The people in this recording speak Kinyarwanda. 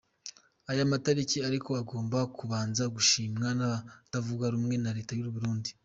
Aya matariki ariko agomba kubanza gushimwa n'abatavuga rumwe na leta y'u Burundi.